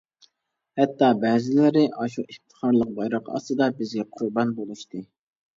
ھەتتا بەزىلىرى ئاشۇ ئىپتىخارلىق بايراق ئاستىدا بىرگە قۇربان بولۇشتى.